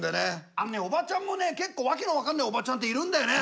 あのねおばちゃんもね結構訳の分かんないおばちゃんっているんだよね。